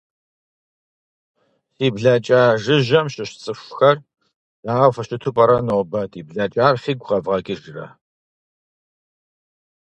Си блакӏа жыжьэм щыщ цӏыхухэр, дау фыщыту пӏэрэ нобэ - ди блэкӏар фигу къэвгъэкӏыжырэ?